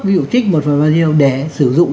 dự trích một phần và nhiều để sử dụng